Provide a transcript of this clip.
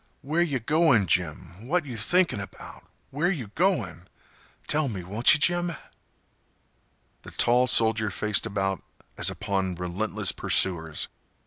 "Where yeh goin', Jim? What you thinking about? Where you going? Tell me, won't you, Jim?" The tall soldier faced about as upon relentless pursuers.